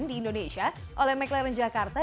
di indonesia oleh mclaren jakarta